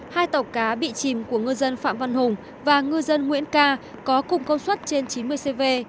hai tàu cá bị chìm của ngư dân phạm văn hùng và ngư dân nguyễn ca có cùng công suất trên chín mươi cv